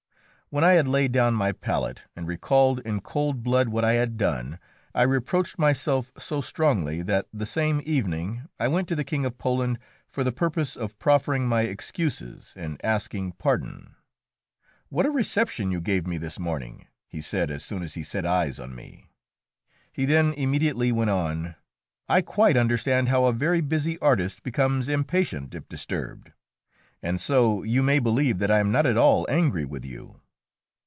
When I had laid down my palette and recalled in cold blood what I had done, I reproached myself so strongly that the same evening I went to the King of Poland for the purpose of proffering my excuses and asking pardon. "What a reception you gave me this morning!" he said as soon as he set eyes on me. He then immediately went on: "I quite understand how a very busy artist becomes impatient if disturbed, and so you may believe that I am not at all angry with you."